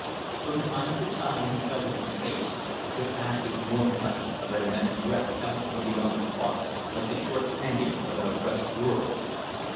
From time to time he felt on his face the passing, warm touch of an immense breath coming from beyond the forest, like the short panting of an oppressed world.